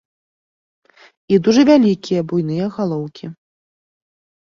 І дужа вялікія, буйныя галоўкі.